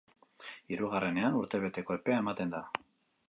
Hirugarrenean urtebeteko epea ematen da.